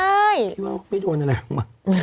คิดว่าไม่โดนอะไรหรือเปล่า